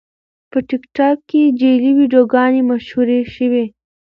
په ټیکټاک کې جعلي ویډیوګانې مشهورې شوې.